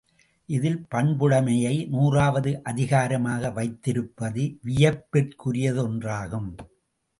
இதில் பண்புடைமையை நூறாவது அதிகரமாக வைத்திருப்பது வியப்பிற்குரியதொன்றாகும்.